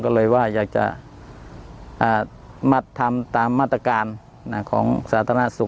ก็เลยว่าอยากจะทำตามมาตรการของสาธารณสุข